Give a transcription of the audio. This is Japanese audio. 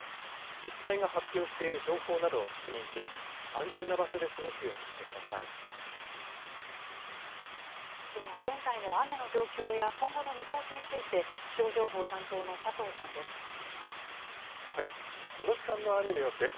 自治体が発表している情報などを確認し、安全な場所で過ごすようでは現在の雨の状況や今後の見通しについて、気象情報担当の佐藤さんです。